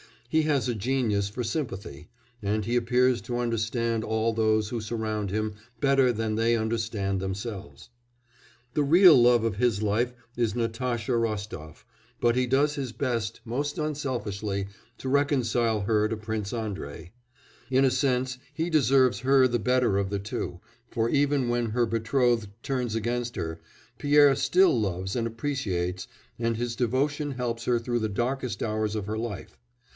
He has a genius for sympathy, and he appears to understand all those who surround him better than they understand themselves. The real love of his life is Natasha Rostof, but he does his best, most unselfishly, to reconcile her to Prince Andrei; in a sense he deserves her the better of the two, for, even when her betrothed turns against her, Pierre still loves and appreciates, and his devotion helps her through the darkest hours of her life.